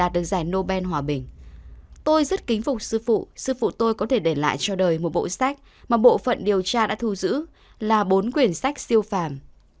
tôi rất kính phục sư phụ sư phụ tôi có thể để lại cho đời một bộ sách mà bộ phận điều tra đã thu giữ là bốn quyển sách siêu phàm